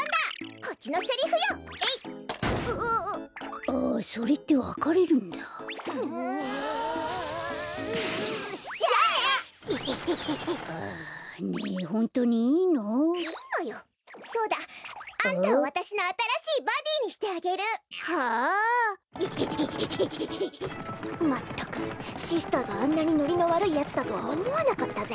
こころのこえまったくシスターがあんなにノリのわるいやつだとはおもわなかったぜ。